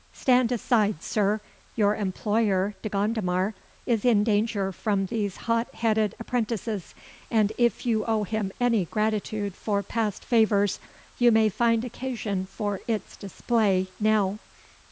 "Stand aside, Sir. Your employer, De Gondomar, is in danger from these hot headed apprentices; and if you owe him any gratitude for past favours, you may find occasion for its display now."